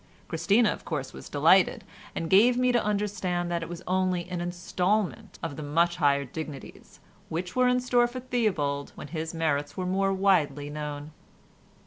Christina of course was delighted, and gave me to understand that it was only an instalment of the much higher dignities which were in store for Theobald when his merits were more widely known.